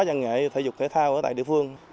văn nghệ thể dục thể thao ở tại địa phương